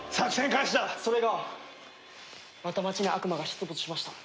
それがまた街に悪魔が出没しました。